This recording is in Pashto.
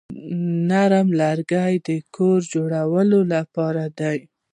نرم لرګي د کور جوړولو لپاره دي.